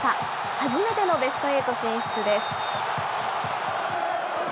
初めてのベストエイト進出です。